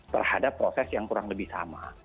terhadap proses yang kurang lebih sama